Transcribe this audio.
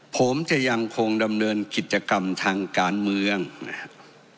ผมจะยังคงดำเนินกิจกรรมทางการเมืองนะครับ